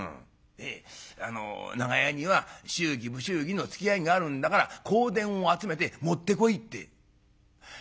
「であの『長屋には祝儀不祝儀のつきあいがあるんだから香典を集めて持ってこい』って」。